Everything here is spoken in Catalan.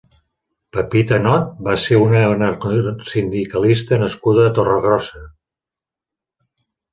Pepita Not va ser una anarcosindicalista nascuda a Torregrossa.